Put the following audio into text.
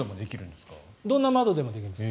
どんな窓でもできるんですか？